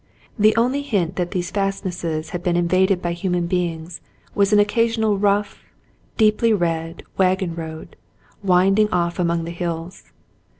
The only hint that these fastnesses had been invaded by human beings was an occasional rough, deeply red wagon road, winding off among the hills.